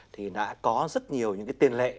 thì đã có rất nhiều những cái tiền lệ